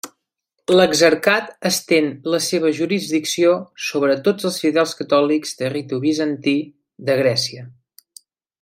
L'exarcat estén la seva jurisdicció sobre tots els fidels catòlics de ritu bizantí de Grècia.